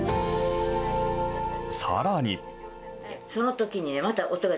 さらに。